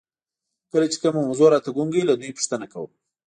کله چې کومه موضوع راته ګونګه وي له دوی پوښتنه کوم.